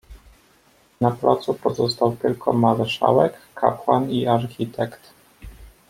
"Na placu pozostał tylko marszałek, kapłan i architekt."